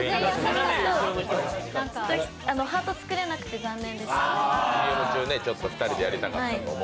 ハート作れなくて残念でした。